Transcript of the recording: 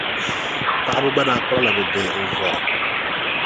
Paɣiba gba daa kpuɣila bɛ bihi n-zɔra.